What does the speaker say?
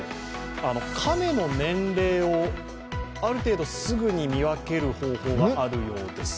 亀の年齢をある程度すぐに見分ける方法があるようです。